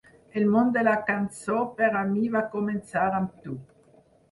El món de la cançó per a mi va començar amb tu.